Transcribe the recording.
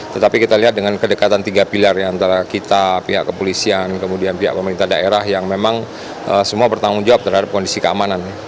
tetapi kita lihat dengan kedekatan tiga pilar antara kita pihak kepolisian kemudian pihak pemerintah daerah yang memang semua bertanggung jawab terhadap kondisi keamanan